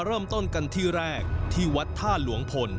เริ่มต้นกันที่แรกที่วัดท่าหลวงพล